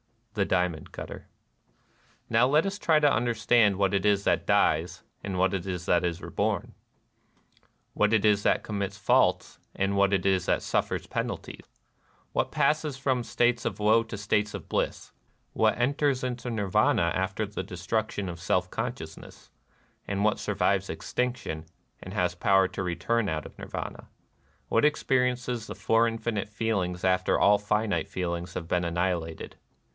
— The Diamond Cutter. And now let us try to understand what it is tliat dies, and what it is that is reborn, — what it is that commits faults and what it is that suffers penalties, — what passes from states of woe to states of bliss, — what enters into Nirvana after the destruction of self con sciousness, — what survives " extinction " and has power to return out of Nirvana, — what experiences the Four Infinite Feelings after all finite feeling has been annihilated.